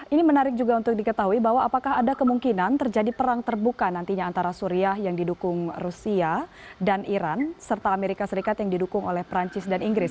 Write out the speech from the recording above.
ini menarik juga untuk diketahui bahwa apakah ada kemungkinan terjadi perang terbuka nantinya antara suriah yang didukung rusia dan iran serta amerika serikat yang didukung oleh perancis dan inggris